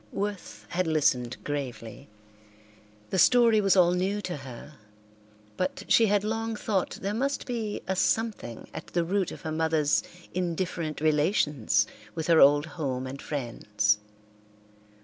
Worth had listened gravely. The story was all new to her, but she had long thought there must be a something at the root of her mother's indifferent relations with her old home and friends.